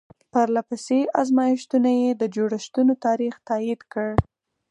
پرله پسې ازمایښتونو یې د جوړښتونو تاریخ تایید کړ.